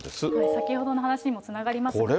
先ほどの話にもつながりますが。